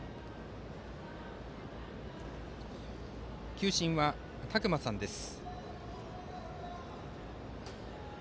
球審は宅間さんです。